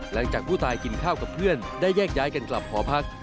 หลังจากผู้ตายกินข้าวกับเพื่อนได้แยกย้ายกันกลับหอพัก